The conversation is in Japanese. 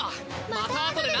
またあとでね！